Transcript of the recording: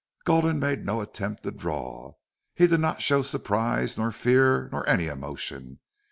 Gulden made no attempt to draw. He did not show surprise nor fear nor any emotion.